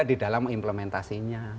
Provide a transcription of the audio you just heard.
beda di dalam implementasinya